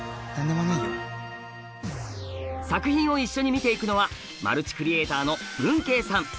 作品を一緒に見ていくのはマルチクリエイターのぶんけいさん。